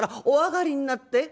『お上がりになって！